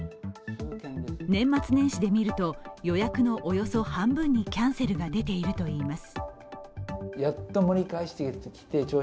年末年始で見ると予約のおよそ半分にキャンセルが出ているといいます。